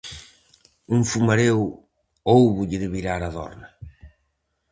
Un fumareo hóubolle de virar a dorna.